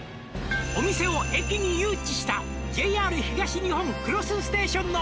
「お店を駅に誘致したＪＲ東日本クロスステーションの」